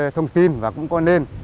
thông tin và cũng có nên